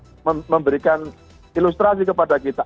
sti itu agar memberikan ilustrasi kepada kita